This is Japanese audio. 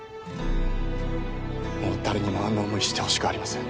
もう誰にもあんな思いしてほしくありません。